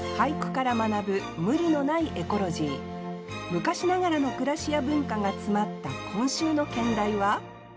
昔ながらの暮らしや文化が詰まった今週の兼題は？